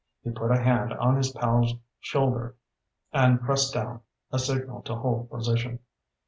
He put a hand on his pal's shoulder and pressed down, a signal to hold position.